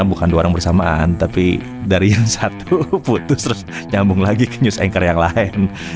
bukan dua orang bersamaan tapi dari yang satu putus terus nyambung lagi ke news anchor yang lain